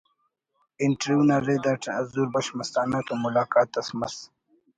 انٹرویو نا رد اٹ حضور بخش مستانہ تو ملاقات اس مس